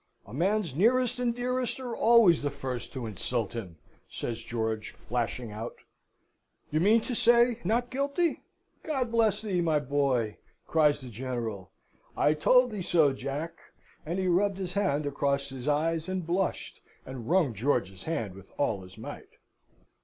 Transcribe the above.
"A man's nearest and dearest are always the first to insult him," says George, flashing out. "You mean to say, 'Not guilty?' God bless thee, my boy!" cries the General. "I told thee so, Jack." And he rubbed his hand across his eyes, and blushed, and wrung George's hand with all his might.